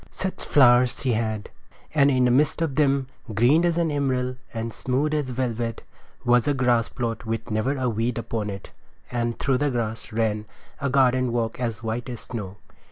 Such flowers as she had! And in the midst of them, green as an emerald and smooth as velvet, was a grass plot with never a weed upon it. And through the grass ran a garden walk as white as snow.